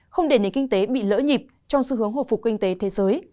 không để nền kinh tế bị lỡ nhịp trong xu hướng hồi phục kinh tế thế giới